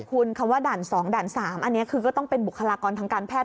คุณคำว่าด่าน๒ด่าน๓อันนี้คือก็ต้องเป็นบุคลากรทางการแพท